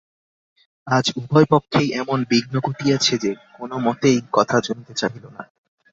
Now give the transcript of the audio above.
আজ উভয় পক্ষেই এমন বিঘ্ন ঘটিয়াছে যে, কোনোমতেই কথা জমিতে চাহিল না।